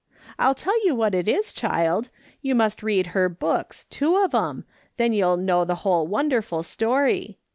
I'll tell you what it is, child : you must read her books, two of 'em, then you'll know the whole wonderful story.